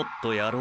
う！！